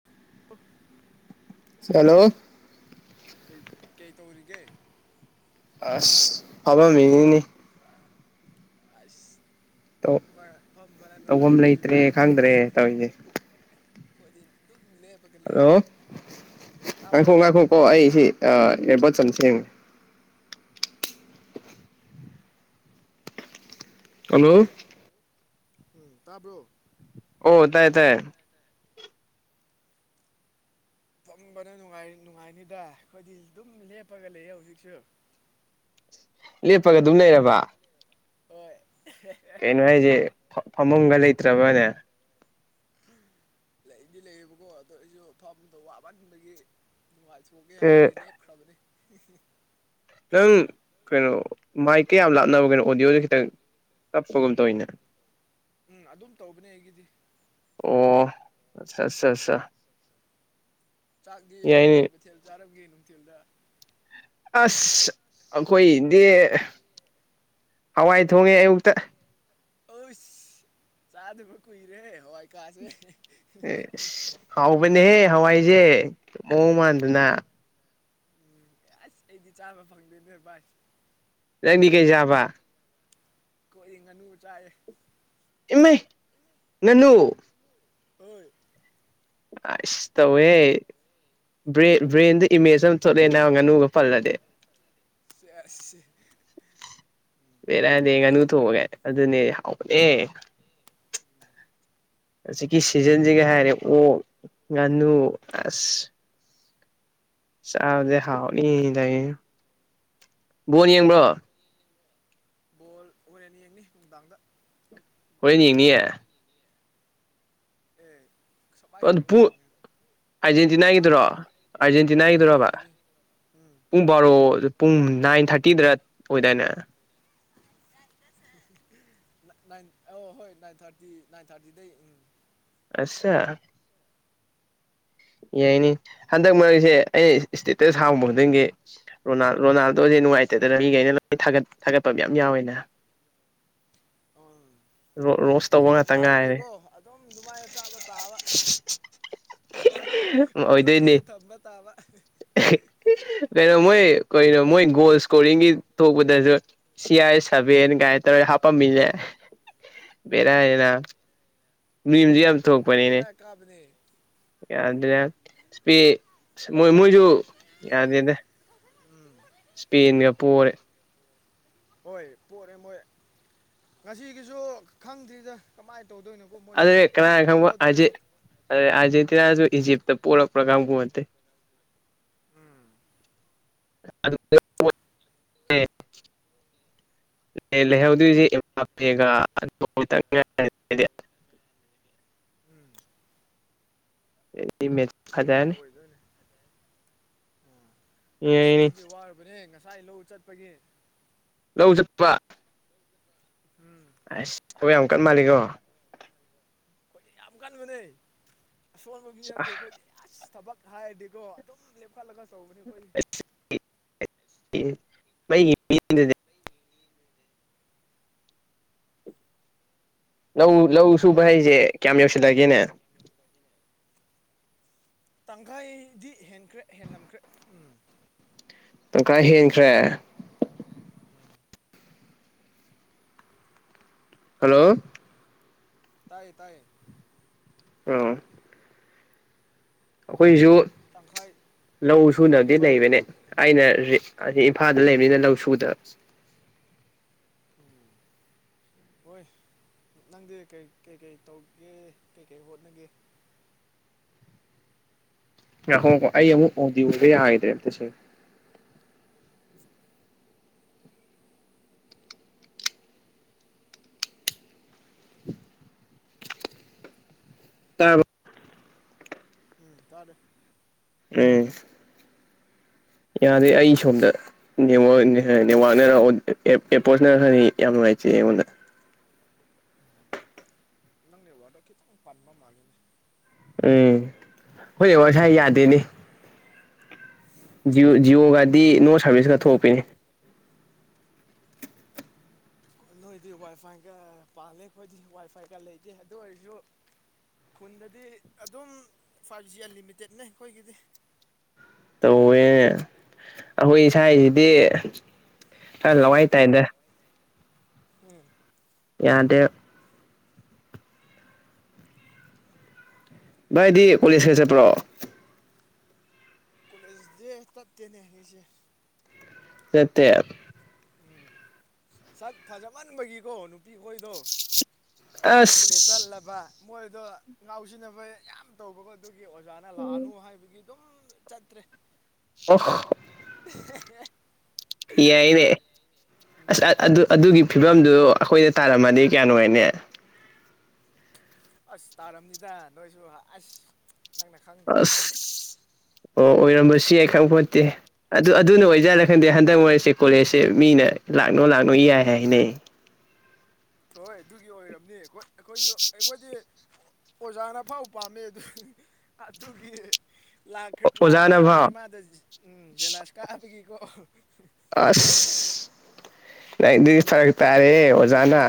[unintelligible] Hello ꯀꯩ ꯀꯩ ꯇꯧꯔꯤꯒꯦ [unintelligible] ꯑꯁ ꯐꯝꯕ ꯐꯝꯕꯅ ꯇꯧꯐꯝ ꯅꯨꯡꯉꯥꯏꯔꯝꯅꯤꯗ ꯂꯩꯇ꯭ꯔꯦ ꯈꯪꯗ꯭ꯔꯦ ꯇꯧꯔꯤꯁꯦ [unintelligible] ꯍꯜꯂꯣ ꯉꯥꯏꯈꯣ ꯇꯥꯕ꯭ꯔꯣ ꯉꯥꯡꯈꯣ ꯀꯣ ꯑꯩꯁꯤ ꯏꯌꯥꯔꯕꯣꯠꯁꯦ ꯑꯝ ꯁꯦꯝꯒꯤꯒꯦ ꯍꯜꯂꯣ ꯎꯝ ꯇꯥꯕ꯭ꯔꯣ꯫ ꯑꯣ ꯇꯥꯏ ꯇꯥꯏꯌꯦ ꯐꯝꯕꯅꯅꯨꯡ ꯅꯨꯡꯉꯥꯏꯅꯤꯗ ꯑꯩꯈꯣꯏꯗꯤ ꯑꯗꯨꯝ ꯂꯦꯞꯄꯒ ꯂꯩꯌꯦ ꯍꯧꯖꯤꯛꯁꯨ꯫ ꯂꯦꯞꯄꯒ ꯑꯗꯨꯝ ꯂꯩꯔꯕ ꯍꯣꯏ꯫ ꯀꯩꯅꯣ ꯍꯥꯏꯁꯦ ꯐꯝꯕꯝꯒ ꯂꯩꯇ꯭ꯔꯕꯅꯦ ꯂꯩꯗꯤ ꯂꯩꯌꯦꯕꯀꯣ ꯑꯗꯣ ꯑꯩꯁꯨ ꯐꯝꯗꯣ ꯋꯥꯕꯟꯕꯒꯤ__ ꯅꯨꯡꯉꯥꯏꯊꯣꯛꯑꯒꯦ ꯍꯥꯏꯕꯒꯤ ꯂꯦꯞꯈ꯭ꯔꯕꯅꯤ ꯅꯪ ꯀꯩꯅꯣ ꯃꯥꯏꯛ ꯀꯥ ꯌꯥꯝ ꯂꯥꯞꯅꯕꯔ ꯀꯩꯅꯣ ꯑꯣꯗꯤꯌꯣꯗꯣ ꯈꯤꯇꯪ ꯇꯞ ꯐꯒꯨꯝꯝ ꯇ ꯑꯣꯏꯅ꯫ ꯎꯝ ꯑꯗꯨꯝ ꯇꯧꯕꯅꯦ ꯑꯩꯒꯤꯗꯤ ꯑꯣ ꯑꯠꯆꯥ ꯑꯠꯆꯥ꯫ ꯆꯥꯛꯇꯤ ꯀꯩ ꯌꯥꯏꯅꯦ ꯃꯊꯦꯜ ꯆꯥꯔꯝꯒꯦ ꯅꯨꯡꯊꯤꯜꯗ ꯑꯁ ꯑꯩꯈꯣꯏꯗꯤ ꯍꯋꯥꯏ ꯊꯣꯡꯉꯦ ꯑꯌꯨꯛꯇ ꯑ ꯆꯥꯗꯕ ꯀꯨꯏꯔꯦ ꯍꯋꯥꯏ ꯀꯥꯁꯦ ꯑꯦꯁ ꯍꯥꯎꯕꯅꯦꯍꯦ ꯍꯋꯥꯏꯁꯦ ꯃꯑꯣꯡ ꯃꯥꯟꯗꯅ꯫ ꯎꯝ ꯑꯁ ꯑꯩꯗꯤ ꯆꯥꯕ ꯐꯪꯗꯣꯏꯅꯦ ꯕꯥꯢ ꯅꯪꯗꯤ ꯒꯩꯖꯕ ꯀꯣꯏꯏ ꯉꯥꯅꯨ ꯆꯥꯏꯔꯦ꯫ ꯏꯃꯥꯏ ꯉꯥꯅꯨ ꯑꯣꯏ ꯑꯁ ꯇꯧꯋꯦ ꯎꯝ ꯕ꯭ꯔꯦꯟꯗ ꯏꯃꯦꯖ ꯑ__ ꯆꯣꯠꯂꯦ ꯅ ꯉꯥꯅꯨꯒꯥ ꯄꯜꯂꯗꯦ꯫ ꯁꯦꯁ ꯕꯦꯔꯥꯅꯤꯍꯦ ꯉꯥꯅꯨ ꯍꯥꯎꯕꯅꯦ ꯊꯣꯡꯕ ꯀꯥꯏꯅꯥ꯫ ꯑꯗꯨꯅꯦ ꯍꯥꯎꯅꯦ ꯍꯧꯖꯤꯛꯀꯤ ꯁꯤꯖꯟꯁꯤꯒ ꯍꯥꯏꯔꯦ ꯑꯣꯛ ꯉꯥꯅꯨ ꯑꯁ꯫ ꯆꯥꯕꯗꯤ ꯍꯥꯎꯅꯤ ꯂꯩ ꯕꯣꯟ ꯌꯦꯡꯕ꯭ꯔꯣ꯫ ꯕꯣꯜ ꯍ ꯣꯔꯦꯟ ꯌꯦꯡꯅꯤ ꯅꯨꯡꯗꯥꯡꯗ ꯍꯣꯏ ꯌꯦꯡꯅꯤꯌꯦ꯫ ꯑꯦ ꯁꯃꯥꯏꯗ [unintelligible] ꯑꯥꯔꯖꯦꯟꯇꯤꯅꯥꯒꯤꯗꯔꯣ ꯍꯣꯏ ꯑꯥꯔꯖꯦꯟꯇꯤꯅꯥꯒꯤꯗꯨꯔꯕꯥ ꯌꯦꯡꯒꯅꯤ ꯎꯝ ꯄꯨꯡ ꯕꯥꯔꯣ ꯄꯨꯡ ꯅꯥꯏꯟ ꯊꯥꯔꯇꯤꯗꯔ ꯑꯣꯏꯗꯥꯏꯅꯦ ꯅꯥꯏꯟ ꯑꯧ ꯍꯣꯏ ꯅꯥꯏꯟ ꯊꯥꯔꯇꯤ ꯅꯥꯏꯟ ꯊꯥꯔꯇꯤꯗꯩ ꯎꯝ ꯑꯁꯆꯥ꯫ ꯌꯥꯏꯅꯤ ꯍꯟꯗꯛ ꯃꯔꯛꯁꯦ ꯑꯩꯅ ꯏꯁꯇꯦꯇꯁ ꯍꯥꯡꯕ ꯈꯨꯪꯒꯤ__ ꯔꯣꯅꯥꯜ ꯔꯣꯅꯥꯜꯗꯣ ꯍꯧꯁꯦ ꯅꯨꯡꯉꯥꯏꯇꯗꯅ ꯃꯤꯈꯩꯅ ꯂꯣꯏꯠ ꯊꯥꯒꯠꯄ ꯌꯥꯝ ꯌꯥꯎꯋꯦꯅꯦ꯫ ꯎꯝ ꯔꯣꯁ ꯇꯧꯕ ꯑꯩ ꯇꯕ ꯉꯥꯛꯇ ꯉꯥꯏꯔꯦ ꯍꯥꯏꯕꯁꯦꯀꯣ ꯑꯗꯨꯝ ꯑꯗꯨꯃꯥꯏꯅ ꯆꯥꯕ ꯇꯥꯕ ꯑꯗꯨꯝ ꯑꯣꯏꯗꯣꯏꯅꯤ ꯃꯤꯅ ꯊꯝꯕ ꯇꯥꯕ꯫ ꯀꯩꯅꯣ ꯃꯣꯏ ꯀꯩꯅꯣ ꯃꯣꯏ ꯒꯣꯜ ꯏꯁꯀꯣꯔꯤꯡꯒꯤ ꯊꯣꯛꯄꯗꯁꯨ ꯁꯤꯌꯥꯔ ꯁꯕꯦꯟ ꯉꯥꯏꯅꯥ ꯇꯔ ꯍꯥꯞꯄꯥꯝꯃꯤꯂꯦ ꯕꯦꯔꯥꯅꯤ ꯅꯕ꯫ ꯎꯝ ꯌꯥꯝ ꯕꯦꯔꯥ ꯀꯥꯕꯅꯦ ꯌꯥꯗ꯭ꯔꯦꯕꯥ ꯏꯁꯄꯦ ꯃꯣꯏ ꯃꯣꯏꯗꯨ ꯌꯥꯗꯦꯗ ꯎꯝ ꯏꯁꯄꯦꯟꯒ ꯄꯣꯔꯦ꯫ ꯍꯣꯏ ꯄꯣꯔꯦ ꯃꯣꯏ ꯉꯁꯤꯒꯤꯁꯨ ꯈꯪꯗ꯭ꯔꯤꯗ ꯀꯃꯥꯏꯅ ꯇꯧꯗꯣꯏꯅꯣꯕꯣ ꯃꯣꯏꯁꯨ ꯑꯃꯨꯛꯀ ꯄꯣꯑꯗꯣꯏꯔꯣ꯫ ꯑꯗꯩ ꯑꯥꯔꯖꯦꯟꯇꯤꯅꯥꯁꯨ ꯏꯖꯤꯞꯇ ꯄꯣꯔꯛꯄꯔꯥ ꯀꯪꯄꯣꯠꯇꯦ ꯎꯝ ꯑꯗꯨ__ ꯂꯩꯍꯧꯗꯣꯏꯁꯦ ꯏꯥꯒ ꯎꯝ ꯔꯦꯗꯤꯃꯦꯠ ꯑꯗꯨꯃꯥꯏ ꯑꯣꯏꯗꯣꯏꯅꯦ ꯑꯁ ꯌꯦꯡꯉꯤꯅꯤ ꯑꯩꯗꯤ ꯋꯥꯔꯨꯕꯅꯦ ꯉꯁꯥꯏ ꯂꯧ ꯆꯠꯄꯒꯤ ꯂꯧ ꯆꯠꯄ ꯎꯝ ꯑꯁ ꯊꯕꯛ ꯌꯥꯝ ꯀꯟ ꯃꯥꯜꯂꯤꯀꯣ ꯑꯩꯈꯣꯏꯗꯤ ꯌꯥꯝ ꯀꯟꯕꯅꯦ ꯑꯁꯣꯟꯕ ꯃꯤ ꯅꯠꯇꯦ ꯑꯩꯈꯣꯏꯗꯤ ꯑꯁ ꯊꯕꯛ ꯍꯥꯏꯔꯗꯤꯀꯣ ꯑꯗꯨꯝ ꯂ ꯐꯜꯂꯒ ꯁꯧꯅꯤ [unintelligible] ꯂꯧ ꯂꯧ ꯁꯨꯕ ꯍꯥꯏꯁꯦ ꯀꯌꯥꯝ ꯌꯧꯁꯜꯂꯒꯦꯅꯦ ꯇꯪꯈꯥꯏꯗꯤ ꯍꯦꯟꯈ꯭ꯔꯦ ꯍꯦꯜꯂꯝꯈ꯭ꯔꯦ ꯎꯝ ꯇꯪꯀꯥ ꯍꯦꯟꯈ꯭ꯔꯦ ꯎꯝ ꯍꯜꯂꯣ ꯇꯥꯏꯌꯦ ꯇꯥꯏꯌꯦ ꯑꯥ ꯑꯩꯈꯣꯏꯁꯨ ꯇꯪꯈꯥꯏ ꯂꯧ ꯁꯨꯅꯕꯗꯤ ꯍꯦꯟꯈ꯭ꯔꯦꯕ ꯂꯩꯕꯅꯦ ꯑꯩꯅ ꯏꯝꯐꯥꯜꯗ ꯂꯩꯕꯅꯤꯅ ꯂꯧꯁꯨꯗ ꯎꯝ ꯍꯣꯏ ꯅꯪꯗꯤ ꯀꯩꯀꯩ ꯇꯧꯒꯦ ꯀꯩꯀꯩ ꯍꯣꯠꯅꯒꯦ ꯑ ꯍꯣ ꯍꯣ ꯑꯩ ꯑꯃꯨꯛ ꯑꯣꯗꯤ ꯎꯕ ꯌꯥ ꯍꯥꯏꯗ꯭ꯔꯦ ꯇꯁꯦ ꯇꯥꯔꯕꯦ ꯎꯝ ꯇꯥꯔꯦ ꯎ ꯌꯥꯗꯦ ꯑꯩ ꯁꯣꯝꯗ ꯅꯤ ꯌꯥꯝ ꯅꯨꯡꯉꯥꯏꯖꯦ ꯑꯩꯉꯣꯟꯗ ꯅꯪꯅꯦ ꯋꯥꯔꯗꯣ ꯈꯤꯇꯪ ꯄꯥꯟꯕ ꯃꯥꯜꯂꯤꯅꯤ ꯎꯝ ꯑꯩꯈꯣꯏꯗꯤ ꯋꯥꯏꯐꯥꯏ ꯌꯥꯗꯦꯅꯦ ꯖꯤꯌꯣ ꯖꯤꯌꯣꯒꯗꯤ ꯅꯣ ꯁꯥꯔꯚꯤꯁꯀ ꯊꯣꯛꯄꯤꯅꯦ ꯅꯣꯏꯗꯤ ꯋꯥꯏ ꯐꯥꯏꯒ ꯄꯥꯜꯂꯦ ꯑꯩꯈꯣꯏꯗꯤ ꯋꯥꯏ ꯐꯥꯏꯒ ꯂꯩꯇꯦ ꯑꯗꯨ ꯑꯣꯏꯔꯁꯨ ꯈꯨꯟꯗꯗꯤ ꯑꯗꯨꯝ ꯐꯥꯏꯚ ꯖꯤ ꯑꯟꯂꯤꯃꯤꯇꯦꯠꯅꯦ ꯑꯩꯈꯣꯏꯒꯤꯗꯤ ꯇꯧꯋꯦ ꯑꯩꯈꯣꯏ ꯎꯝ ꯁꯥꯏꯁꯤꯗꯤ ꯈꯔ ꯂꯋꯥꯏ ꯇꯥꯏꯗ ꯎꯝ ꯌꯥꯗꯦꯕ ꯚꯥꯏꯗꯤ ꯀꯣꯂꯦꯖ ꯈ ꯆꯠꯄ꯭ꯔꯣ ꯀꯣꯂꯦꯖ ꯁꯦ ꯆꯠꯇꯦꯅꯦ ꯑꯩꯁꯦ ꯆꯠꯇꯦ ꯎꯝ ꯁꯠ ꯐꯖꯃꯟꯕꯒꯤꯀꯣ ꯅꯨꯄꯤꯈꯣꯏꯗꯣ ꯑꯩ ꯍꯦꯛ ꯀꯣꯂꯦꯖ ꯑꯁ ꯆꯠꯜꯂꯕ ꯃꯣꯏꯗꯣ ꯉꯥꯎꯁꯤꯟꯅꯕ ꯌꯥꯝ ꯇꯧꯕꯀꯣ ꯑꯗꯨꯒꯤ ꯑꯣꯖꯥ ꯂꯥꯛꯑꯅꯨ ꯍꯥꯏꯕꯒꯤ ꯑꯗꯨꯝ ꯆꯠꯇ꯭ꯔꯦ ꯑꯣ [unintelligible] ꯌꯥꯏꯅꯦ ꯎꯝ ꯑꯁ ꯑꯗꯨ ꯑꯗꯨꯒꯤ ꯐꯤꯕꯝꯗꯨ ꯑꯩꯈꯣꯏꯗ ꯇꯥꯔꯝꯃꯗꯤ ꯀꯌꯥꯅꯣ ꯍꯥꯏꯅꯦ ꯑꯁ ꯇꯥꯔꯝꯅꯤꯗ ꯅꯣꯏꯁꯨ ꯑꯁ ꯅꯪꯅ ꯈꯪꯗꯕꯒꯤꯅꯦ ꯑꯁ ꯑꯣ ꯑꯣꯏꯔꯝꯕꯁꯨ ꯌꯥꯏ ꯈꯪꯕꯄꯣꯠꯇꯦ ꯑꯗꯨ ꯑꯗꯨꯅ ꯑꯣꯏꯖꯥꯅ ꯈꯪꯗꯦ ꯍꯟꯗꯛ ꯃꯔꯣꯏꯁꯦ ꯀꯣꯂꯦꯖꯁꯦ ꯃꯤꯅ ꯂꯥꯛꯅꯣ ꯂꯥꯛꯅꯣ ꯌꯥꯏ ꯍꯥꯏꯅꯩ ꯍꯣꯏ ꯑꯗꯨꯒꯤ ꯑꯣꯏꯔꯝꯅꯤ ꯑꯩꯈꯣꯏ ꯑꯩꯈꯣꯏꯁꯨ ꯑꯩꯈꯣꯏꯗꯤ ꯑꯣꯖꯥꯅꯐꯥꯎ ꯄꯥꯝꯃꯦ ꯑꯗꯨ ꯑꯗꯨꯒꯤ ꯂꯥꯛꯈ꯭ꯔꯦ ꯂꯥꯛꯑꯅꯨ ꯑꯣꯖꯥꯅꯐꯥꯎ ꯍꯥꯏꯁꯦ ꯃꯥꯗꯣ ꯎꯝ ꯖꯦꯂꯁ ꯀꯥꯕꯒꯤꯀꯣ ꯑꯁ ꯅꯗꯤ ꯐꯔꯛ ꯇꯥꯔꯦ ꯑꯣꯖꯥꯅ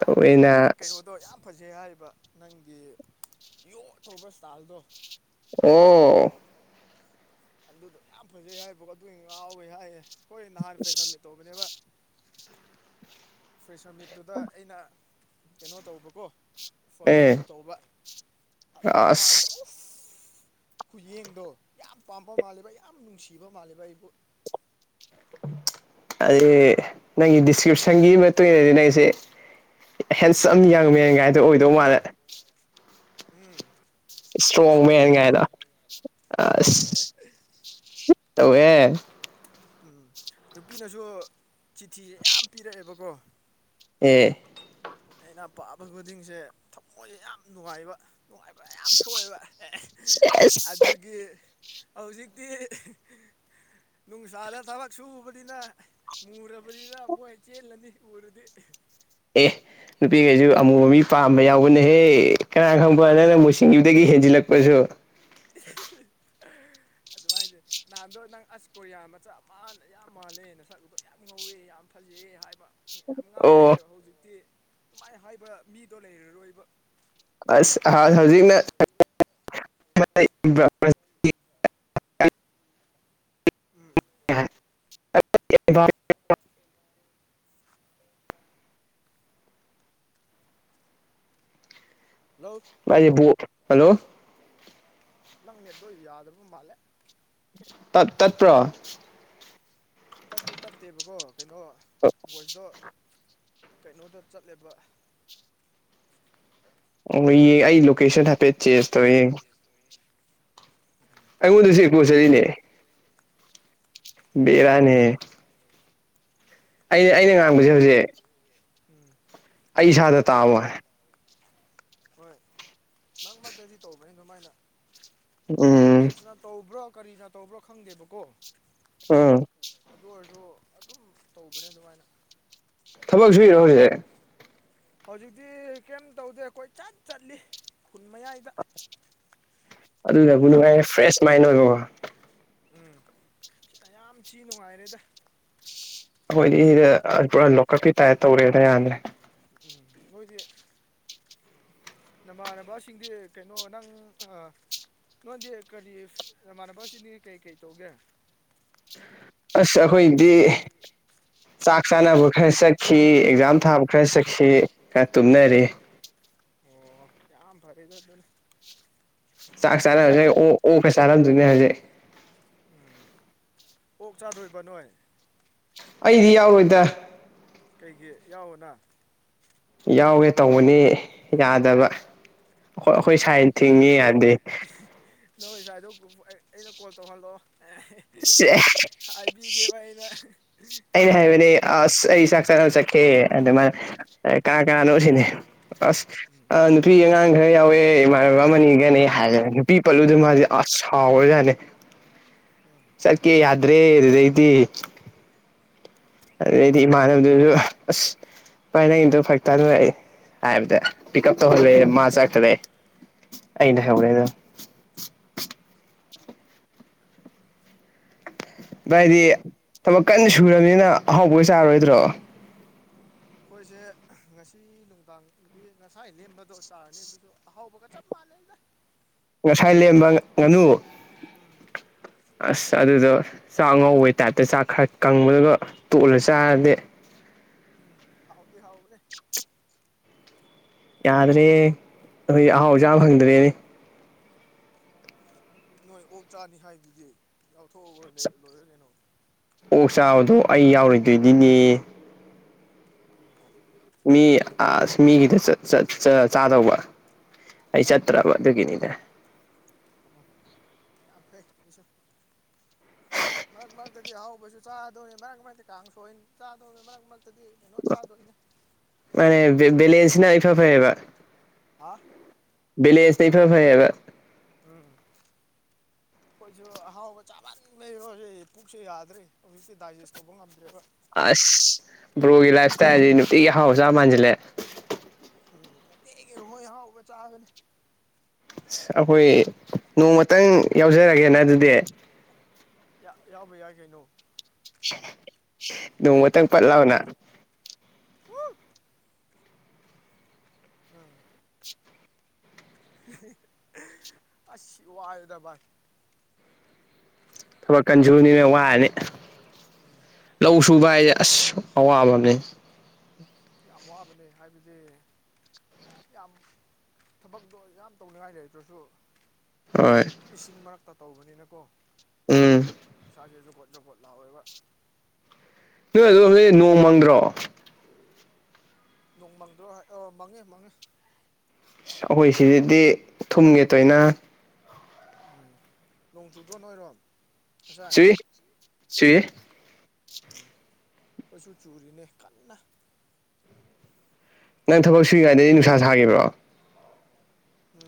ꯍꯥꯏꯕꯗꯤ ꯅꯪ ꯀꯩꯅꯣꯗꯣ ꯌꯥꯝ ꯐꯖꯩ ꯍꯥꯏꯔꯤꯕ ꯅꯪꯒꯤ ꯌꯣ ꯇꯧꯕ ꯁꯇꯥꯏꯜꯗꯣ ꯑꯣ ꯑꯗꯨꯗꯣ ꯌꯥꯝ ꯐꯖꯩ ꯍꯥꯏꯕꯀꯣ ꯑꯗꯨ ꯉꯥꯎꯋꯦ ꯍꯥꯏꯌꯦ ꯍꯣꯏ ꯅꯍꯥꯟ ꯐ꯭ꯔꯦꯁꯔꯃꯤꯠ ꯇꯧꯕꯅꯦꯕ ꯐꯔꯤꯁꯃꯤꯠꯇꯨꯗ ꯑꯩꯅ ꯀꯩꯅꯣ ꯇꯧꯕꯀꯣ ꯐꯣꯟ ꯑꯦ ꯐ꯭ꯂꯤꯞ ꯇꯧꯕ ꯃꯥꯅ ꯑꯁ ꯈꯨꯌꯦꯡꯗꯣ ꯌꯥꯝ ꯄꯥꯝꯕ ꯃꯥꯜꯂꯦꯕ ꯌꯥꯝ ꯅꯨꯡꯁꯤꯕ ꯃꯥꯜꯂꯦꯕ ꯑꯩꯕꯨ ꯑꯗꯨ ꯅꯪꯒꯤ ꯗꯤꯁꯀ꯭ꯔꯤꯞꯁꯟꯒꯤ ꯃꯇꯨꯡ ꯏꯟꯅꯗꯤ ꯅꯪꯁꯦ ꯍꯦꯟꯁꯝ ꯌꯪ ꯃꯦꯟ ꯀꯥꯏꯗꯣ ꯑꯣꯏꯗꯧ ꯃꯥꯜꯂꯦ ꯎꯝ ꯏꯁꯇ꯭ꯔꯣꯡ ꯍꯦꯟꯁꯝꯅꯦ ꯃꯦꯟ ꯀꯥꯏꯗꯣ ꯑꯩꯈꯣꯏꯗꯤ ꯇꯧꯋꯦ ꯎꯝ ꯅꯨꯄꯤꯅꯁꯨ ꯆꯤꯊꯤꯁꯦ ꯌꯥꯝ ꯄꯤꯔꯛꯑꯦꯕꯀꯣ ꯑꯦ ꯑꯩꯅ ꯄꯥꯕ ꯈꯨꯗꯤꯡꯁꯦ ꯊꯃꯣꯏꯁꯦ ꯌꯥꯝ ꯅꯨꯡꯉꯥꯏꯕ ꯅꯨꯡꯉꯥꯏꯕ ꯌꯥꯝ ꯊꯣꯛꯑꯦꯕ ꯑꯗꯨꯒꯤ ꯍꯧꯖꯤꯛꯇꯤ ꯅꯨꯡꯁꯥꯗ ꯊꯕꯛ ꯁꯨꯕꯅꯤꯅ ꯃꯨꯔꯕ ꯑꯗ ꯄꯣ ꯆꯦꯜꯂꯅꯤ ꯑꯣꯏꯔꯗꯤ ꯑꯦ ꯅꯨꯄꯤꯈꯩꯁꯨ ꯑꯃꯨꯕ ꯃꯤ ꯄꯥꯝꯕ ꯌꯥꯎꯕꯅꯍꯦ ꯀꯅꯥ ꯈꯪꯕ ꯅꯪꯅ ꯃꯨꯁꯤꯡꯒꯤꯁꯤꯡꯗꯨꯗꯒꯤ ꯍꯦꯟꯖꯤꯜꯂꯛꯄꯁꯨ ꯑꯗꯨꯃꯥꯏꯁꯦ ꯅꯍꯥꯟꯗꯣ ꯅꯪ ꯑꯁ ꯀꯣꯔꯤꯌꯥ ꯃꯆꯥ ꯃꯥꯟꯅ ꯌꯥꯝ ꯃꯥꯜꯂꯦꯅ ꯅꯥꯁꯛꯇꯣ ꯌꯥꯝ ꯉꯧꯋꯦ ꯌꯥꯝ ꯐꯖꯩꯌꯦ ꯍꯥꯏꯕ ꯌꯥꯝ ꯉꯥꯎꯋꯦ ꯑꯣ ꯍꯥꯏꯕ ꯍꯧꯖꯤꯛꯇꯤ ꯑꯗꯨꯃꯥꯏꯅ ꯍꯥꯏꯕ ꯃꯤꯗꯣ ꯂꯩꯔꯔꯣꯏꯕ ꯑꯁ ꯍꯧꯖꯤꯛꯅ [unintelligible] ꯎꯝ [unintelligible] ꯍꯜꯂꯣ ꯑꯩꯕꯨ ꯍꯜꯂꯣ ꯅꯪ ꯅꯦꯠꯇꯣ ꯌꯥꯗꯕ ꯃꯥꯜꯂꯦ ꯇꯞ ꯇꯠꯄ꯭ꯔꯣ ꯇꯠꯇꯤ ꯇꯠꯇꯦꯕꯀꯣ ꯀꯩꯅꯣ ꯚꯣꯏꯁꯇꯣ ꯀꯩꯅꯣꯗ ꯆꯠꯂꯕ ꯑꯣ ꯑꯩ ꯂꯣꯀꯦꯁꯟ ꯍꯥꯏꯐꯦꯠ ꯆꯦꯟꯖ ꯇꯧꯋꯦ ꯑꯩꯉꯣꯟꯗꯁꯨ ꯄꯣꯠꯆꯔꯤꯅꯦ ꯎꯝ ꯕꯦꯔꯅꯤ ꯑꯩꯅ ꯑꯩꯅ ꯉꯥꯡꯕꯁꯦ ꯍꯧꯖꯤꯛ ꯎꯝ ꯑꯩ ꯏꯁꯥꯗ ꯇꯥꯕ ꯍꯥꯏ ꯍꯣꯏ ꯅꯪ ꯃꯔꯛꯇꯗꯤ ꯇꯧꯕꯅꯤ ꯑꯗꯨꯃꯥꯏꯅ ꯎꯝ ꯑꯦꯞꯁ ꯇꯧꯕ꯭ꯔꯣ ꯀꯔꯤꯅ ꯇꯧꯕ꯭ꯔꯣ ꯈꯪꯗꯦꯕꯀꯣ ꯎꯝ ꯑꯗꯨ ꯑꯣꯏꯔꯁꯨ ꯑꯗꯨꯝ ꯇꯧꯕꯅꯦ ꯑꯗꯨꯃꯥꯏꯅ ꯊꯕꯛ ꯁꯨꯏꯔꯣ ꯍꯧꯖꯤꯛ ꯍꯧꯖꯤꯛꯇꯤ ꯀꯩꯝ ꯇꯧꯗꯦ ꯀꯣꯏ ꯆꯠ ꯆꯠꯂꯤ ꯈꯨꯟ ꯃꯌꯥꯏꯗ ꯑꯗꯨꯗꯕꯨ ꯅꯨꯡꯉꯥꯏꯔꯦ [unintelligible] ꯑꯣꯏꯕꯀꯣ ꯎꯝ ꯁꯤ ꯌꯥꯝ ꯊꯤ ꯅꯨꯡꯉꯥꯏꯔꯦꯗ ꯑꯩꯈꯣꯏꯗꯤ ꯄꯨꯔꯥ ꯂꯣꯀꯞꯀꯤ ꯇꯥꯏꯞ ꯇꯧꯔꯦꯅ ꯌꯥꯗ꯭ꯔꯦ ꯎꯝ ꯃꯣꯏꯁꯦ ꯅꯃꯥꯟꯅꯕꯁꯤꯡꯗꯤ ꯀꯩꯅꯣ ꯅꯪ ꯑ ꯅꯪꯗꯤ ꯀꯔꯤ ꯅꯃꯥꯟꯅꯕꯁꯤꯡꯗꯤ ꯀꯩ ꯀꯩ ꯇꯧꯒꯦ ꯑꯁ ꯑꯩꯈꯣꯏꯗꯤ ꯆꯥꯛ ꯆꯥꯅꯕ ꯈꯔ ꯆꯠꯈꯤ ꯑꯦꯛꯖꯥꯝ ꯊꯥꯕ ꯈꯔ ꯆꯠꯈꯤ ꯈꯔ ꯇꯨꯝꯅꯔꯤ ꯑꯣ ꯌꯥꯝ ꯐꯔꯦꯗ ꯑꯗꯨꯅꯤ ꯆꯥꯛ ꯆꯥꯔꯝꯁꯦ ꯑꯣ ꯑꯣꯀ ꯆꯥꯔꯝꯗꯣꯏꯅꯦ ꯍꯧꯖꯤꯛ ꯎꯝ ꯑꯣꯛ ꯆꯥꯗꯣꯏꯕ ꯅꯣꯏ ꯑꯩꯗꯤ ꯌꯥꯎꯔꯣꯏꯗ ꯀꯩꯒꯤ ꯌꯥꯎꯑꯣꯅ ꯌꯥꯎꯒꯦ ꯇꯧꯕꯅꯤ ꯌꯥꯗꯕ ꯑꯈꯣꯏ ꯑꯈꯣꯏ ꯁꯥꯏꯅ ꯊꯤꯡꯉꯤ ꯌꯥꯗꯦ ꯅꯪꯁꯥꯏꯗꯣ ꯑꯩꯅ ꯀꯣꯜ ꯇꯧꯍꯜꯂꯛꯑꯣ ꯁꯦ ꯍꯥꯏꯕꯤꯒꯦꯕ ꯑꯩꯅ ꯑꯩꯅ ꯍꯥꯏꯕꯅꯦ ꯑꯁ ꯑꯩ ꯆꯥꯛ ꯆꯥꯅ ꯆꯠꯈꯤꯑꯦ ꯑꯗꯨ ꯃꯥꯅ ꯑꯦ ꯀꯥ ꯀꯥꯅꯥꯅꯣ ꯁꯤꯅꯤ ꯑꯁ ꯑ ꯅꯨꯄꯤ ꯑꯉꯥꯡ ꯈꯔ ꯌꯥꯎꯋꯦ ꯏꯃꯥꯟꯅꯕ ꯑꯃꯅꯤꯒꯅꯦ ꯍꯥꯏꯔ ꯅꯨꯄꯤ ꯄꯜꯂꯨꯗ ꯃꯥꯁꯦ ꯑꯁ ꯁꯥꯎꯔꯖꯥꯠꯅꯦ ꯎꯝ ꯆꯠꯀꯦ ꯌꯥꯗ꯭ꯔꯦ ꯑꯗꯨꯗꯥꯏꯗꯤ ꯑꯗꯩꯗꯤ ꯏꯃꯟꯅꯕꯗꯁꯨ ꯑꯁ ꯄꯥꯏ ꯅꯪꯏꯗꯣ ꯐꯔꯛ ꯇꯥꯗꯨꯔꯦ ꯍꯥꯏꯕꯗ ꯄꯤꯛ ꯎꯞ ꯇꯧꯍꯜꯂꯦꯌꯦ ꯃꯥ ꯆꯠꯈ꯭ꯔꯦ ꯑꯩꯅ ꯍꯧ ꯑꯗꯨ ꯕꯥꯏꯗꯤ ꯊꯕꯛ ꯀꯟꯅ ꯁꯨꯔꯕꯅꯤꯅ ꯑꯍꯥꯎꯕꯒ ꯆꯥꯔꯔꯣꯏꯗ꯭ꯔꯣ ꯑꯩꯈꯣꯏꯁꯦ ꯉꯁꯤ ꯅꯨꯡꯗꯥꯡꯗꯤ ꯉꯁꯥꯏ ꯂꯦꯝꯕꯗꯣ ꯆꯥꯔꯅꯤ ꯑꯗꯨꯁꯨ ꯑꯍꯥꯎꯕꯒ ꯆꯞ ꯃꯥꯟꯅꯩꯗ ꯉꯁꯥꯏ ꯂꯦꯝꯕ ꯉꯥꯅꯨ ꯎꯝ ꯑꯁ ꯑꯗꯨꯗꯣ ꯆꯥꯛ ꯑꯉꯧꯕꯩ ꯇꯥꯏꯞꯇ ꯆꯥꯛ ꯈꯔ ꯀꯪꯕꯗꯨꯒ ꯇꯣꯛꯂ ꯆꯥꯔꯗꯤ ꯎꯝ ꯍꯥꯎꯗꯤ ꯍꯥꯎꯕꯅꯦ [unintelligible] ꯌꯥꯗ꯭ꯔꯦ ꯑꯈꯣꯏꯗꯤ ꯎꯝ ꯑꯍꯥꯎꯕ ꯆꯥ ꯐꯪꯗ꯭ꯔꯦꯅꯦ ꯅꯣꯏ ꯑꯣꯛ ꯆꯥꯅꯤ ꯍꯥꯏꯕꯗꯨꯗꯤ ꯌꯥꯎꯊꯣꯛꯑꯣꯅꯦ ꯂꯣꯏꯔꯅꯦ ꯀꯩꯅꯣ ꯑꯣꯛ ꯆꯥꯕꯗꯣ ꯑꯩ ꯌꯥꯎꯔꯣꯏꯗꯣꯏꯗꯤꯅꯦ ꯑꯣ ꯃꯤ ꯑꯁ ꯃꯤꯒꯤꯗ ꯆꯠ ꯆꯠ ꯆꯥꯗꯧꯕ ꯑꯩ ꯎꯝ ꯆꯠꯇ꯭ꯔꯕ ꯑꯗꯨꯒꯤꯅꯤꯅꯦ ꯌꯥꯝ ꯐꯩ ꯁꯨ ꯃꯔꯛ ꯃꯔꯛꯇꯗꯤ ꯍꯥꯎꯕꯁꯨ ꯆꯥꯗꯧꯅꯤ ꯃꯔꯛ ꯃꯔꯛꯇꯤ ꯀꯥꯡ ꯁꯣꯏꯅꯤ ꯆꯥꯗꯧꯅꯤ ꯃꯔꯛ ꯃꯔꯛꯇ ꯇꯗꯤ ꯀꯩꯅꯣ ꯆꯥꯗꯣꯏꯅꯦ ꯃꯥꯅꯦ ꯕꯂꯦꯟꯁꯅ ꯏꯐꯥ ꯐꯩꯌꯦꯕ ꯍꯥ ꯕꯦꯂꯦꯟꯁꯅ ꯏꯐ ꯐꯥꯏ ꯍꯥꯏꯕ ꯎꯝ [unintelligible] ꯑꯩꯈꯣꯏꯁꯨ ꯑꯍꯥꯎꯒ ꯆꯥꯃꯟꯕꯩꯀꯣ ꯁꯦ ꯄꯨꯛꯁꯦ ꯌꯥꯗ꯭ꯔꯦ ꯍꯧꯖꯤꯛꯇꯤ ꯗꯥꯏꯖꯦꯁ ꯇꯧꯕ ꯉꯝꯗ꯭ꯔꯦꯕ ꯑꯁ ꯕ꯭ꯔꯣꯒꯤ ꯂꯥꯏꯞ ꯏꯁꯇꯥꯏꯜꯁꯤ ꯅꯨꯡꯇꯤꯒꯤ ꯑꯍꯥꯎꯕ ꯆꯕ ꯃꯥꯟꯁꯤꯜꯂꯦ ꯎꯝ ꯍꯦꯛ ꯌꯧꯕꯒ ꯑꯍꯥꯎꯕ ꯆꯥꯕꯅꯦ ꯑꯁ ꯑꯩꯈꯣꯏ ꯅꯣꯡꯃꯇꯪ ꯌꯥꯎꯖꯔꯒꯦꯅ ꯑꯗꯨꯗꯤ ꯌꯥꯎꯕ ꯌꯥꯏ ꯀꯩꯅꯣ ꯅꯣꯡꯃꯇꯪ ꯄꯠ ꯂꯥꯎꯑꯣꯅ ꯎꯝ ꯑꯁ ꯋꯥꯔꯦꯗ ꯚꯥꯏ ꯊꯕꯛ ꯀꯟꯁꯨꯨꯅꯤꯅ ꯋꯥꯔꯅꯤ ꯎꯝ ꯂꯧ ꯁꯨꯕ ꯍꯥꯏꯁꯦ ꯑꯁ ꯑꯋꯥꯕ ꯑꯃꯅꯦ ꯌꯥꯝ ꯋꯥꯕꯅꯦ ꯍꯥꯏꯕꯁꯦ ꯌꯥꯝ ꯊꯕꯛꯇꯣ ꯌꯥꯝ ꯇꯧꯅꯤꯡꯉꯥꯏ ꯂꯩꯇ꯭ꯔꯁꯨ ꯍꯣꯏ꯫ ꯏꯁꯤꯡ ꯃꯔꯛꯇ ꯇꯧꯕꯅꯤꯅꯀꯣ ꯎꯝ꯫ [unintelligible] ꯂꯥꯎꯋꯦꯕ ꯅꯣꯏ ꯑꯗꯣꯃꯗꯥꯗꯤ ꯅꯣꯡ ꯃꯪꯗ꯭ꯔꯣ꯫ ꯅꯣꯡ ꯃꯥꯡꯗ꯭ꯔꯣ ꯑꯣ ꯃꯡꯉꯦ ꯃꯡꯉꯦ ꯑꯩꯈꯣꯏ ꯁꯤꯗꯗꯤ ꯊꯨꯝꯒꯤ ꯇꯣꯏꯅ꯫ ꯎꯝ ꯅꯣꯡ ꯆꯨꯗ꯭ꯔꯣ ꯅꯣꯏꯔꯣꯝ ꯉꯁꯥꯏ ꯆꯨꯏ ꯆꯨꯏ ꯎꯝ ꯆꯨꯁꯨ ꯆꯨꯔꯤꯅꯦ ꯀꯟꯅ ꯅꯪ ꯑꯗꯨꯒ ꯊꯕꯛ ꯁꯨꯔꯤ ꯉꯥꯏꯗꯗꯤ ꯅꯨꯡꯁꯥ ꯁꯥꯈꯤꯕ꯭ꯔꯣ ꯎꯝ꯫